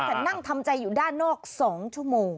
แต่นั่งทำใจอยู่ด้านนอก๒ชั่วโมง